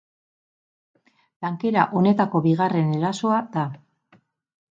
Tankera honetako bigarren erasoa da.